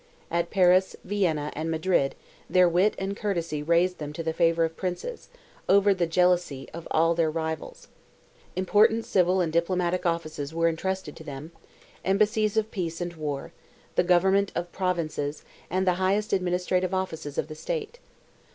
At Paris, Vienna, and Madrid, their wit and courtesy raised them to the favour of princes, over the jealousy of all their rivals. Important civil and diplomatic offices were entrusted to them—embassies of peace and war—the government of provinces, and the highest administrative offices of the state.